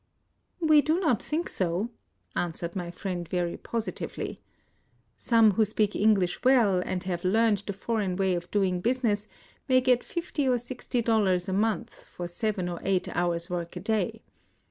" We do not think so," answered my friend very positively. " Some who speak English well, and have learned the foreign way of doing business, may get fifty or sixty dollars a month for seven or eight hours' work a day.